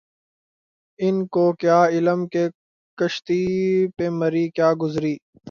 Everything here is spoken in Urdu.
ان کو کیا علم کہ کشتی پہ مری کیا گزری